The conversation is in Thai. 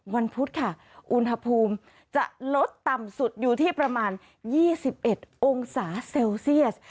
พุธค่ะอุณหภูมิจะลดต่ำสุดอยู่ที่ประมาณ๒๑องศาเซลเซียส